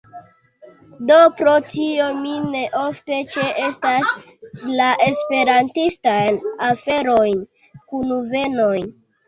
Do, pro tio mi ne ofte ĉeestas la Esperantistajn aferojn, kunvenojn